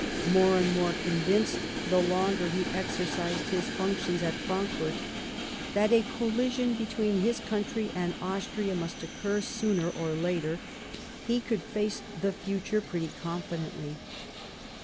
More and more convinced, the longer he exercised his functions at Frankfort, that a collision between his country and Austria must occur sooner or later, he could face the future pretty confidently.